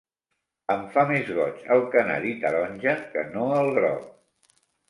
Em fa més goig el canari taronja que no el groc.